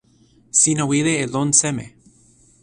sina wile e lon seme?